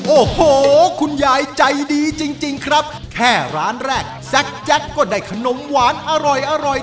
โอ้โหคุณยายใจดีจริงจริงครับแค่ร้านแรกแซ็กแจ็คก็ได้ขนมหวานอร่อยอร่อย